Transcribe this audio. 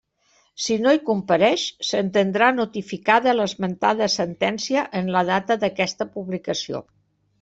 Si no hi compareix, s'entendrà notificada l'esmentada sentència en la data d'aquesta publicació.